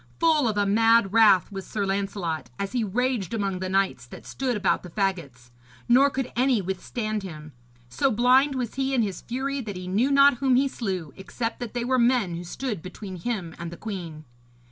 Full of a mad wrath was Sir Lancelot, as he raged among the knights that stood about the faggots; nor could any withstand him. So blind was he in his fury that he knew not whom he slew, except that they were men who stood between him and the queen.